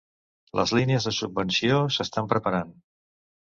Les línies de subvenció s'estan preparant.